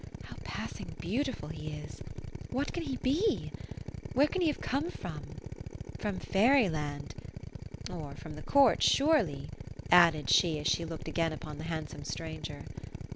How passing beautiful he is ! What can he be ? Where can he have oome from ? From fairy land — or from the court, surely ;" added she, as she looked again upon th. handsome stranger.